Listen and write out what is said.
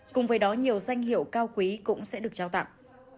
cùng với đó nhiều danh hiệu cao quý cũng sẽ được trao tặng